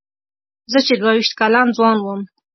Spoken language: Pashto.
زه چې دوه وېشت کلن ځوان وم.